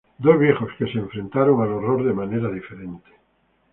Dos viejos que se enfrentaron al horror de manera diferente.